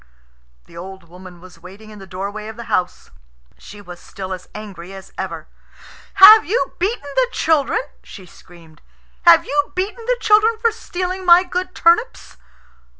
The old woman was waiting in the doorway of the house. She was still as angry as ever. "Have you beaten the children?" she screamed. "Have you beaten the children for stealing my good turnips?"